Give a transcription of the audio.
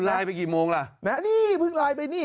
ซุลายไปกี่โมงแล้วนะนี่ฟึงไลน์ไปนี่